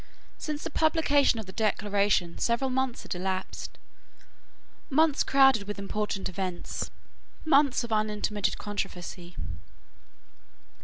Since the publication of the Declaration several months had elapsed, months crowded with important events, months of unintermitted controversy.